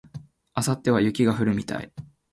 明後日は雪が降るみたい